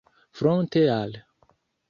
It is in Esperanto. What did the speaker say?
fronte al